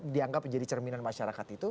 dianggap menjadi cerminan masyarakat itu